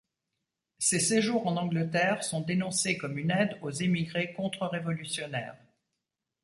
Ses séjours en Angleterre sont dénoncés comme une aide aux émigrés contre-révolutionnaires.